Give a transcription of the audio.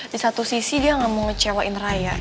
di satu sisi dia gak mau ngecewain raya